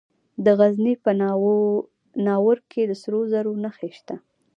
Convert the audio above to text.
د غزني په ناوور کې د سرو زرو نښې شته.